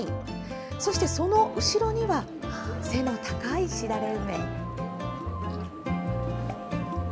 そしてその後ろには、背の高いしだれ梅。